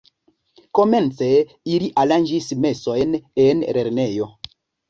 Komence ili aranĝis mesojn en lernejo.